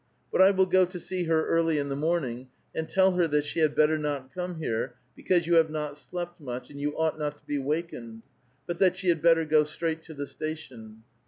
But I will go to see her early in the morning, and tell her that she had better not come here, because you have not slept much, and you ought not to be wakened, but that she had better go straight to the station."